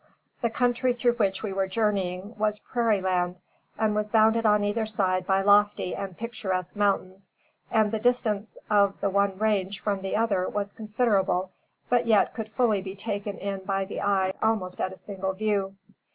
The country through which we were journeying was prairie land, and was bounded on either side by lofty and picturesque mountains, and the distance of the one range from the other was considerable, but yet could fully be taken in by the eye almost at a single view.